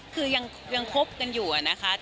คือยังคบกันอยู่อะนะคะ